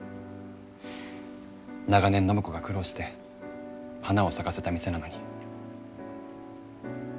長年暢子が苦労して花を咲かせた店なのに。